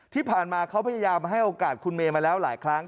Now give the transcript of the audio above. ที่ผ่านมาเขาพยายามให้โอกาสคุณเมย์มาแล้วหลายครั้ง